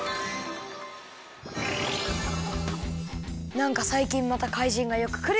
なんかさいきんまたかいじんがよくくるよね。